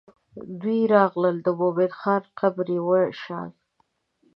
دوی راغلل د مومن خان قبر یې وشان.